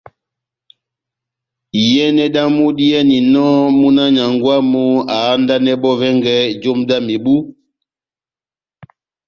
Iyɛnɛ dámu diyɛninɔmúna wa nyángwɛ wamu ahandanɛ bɔ́ vɛngɛ jomu dá mebu ,